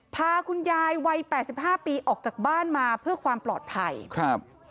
พาคุณยายวัยแปดสิบห้าปีออกจากบ้านมาเพื่อความปลอดภัยครับ